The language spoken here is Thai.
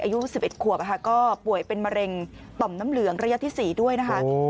อายุ๑๑ขวบก็ป่วยเป็นมะเร็งต่อมน้ำเหลืองระยะที่๔ด้วยนะคะ